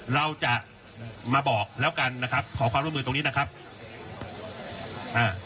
เราจะมาบอกแล้วกันนะครับขอความร่วมมือตรงนี้นะครับอ่า